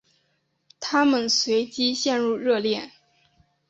他们随即陷入热恋。